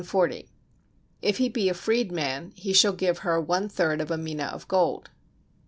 If he be a freed man he shall give her one third of a mina of gold.